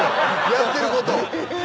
やってること。